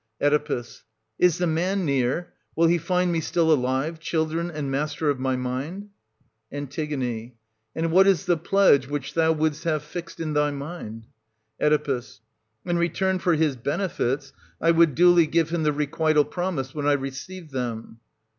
Oe. Is the man near } Will he find me still alive, children, and master of my mind } An. And what is the pledge which thou wouldst have fixed in thy mind t Oe. In return for his benefits, I would duly give him the requital promised when I received them.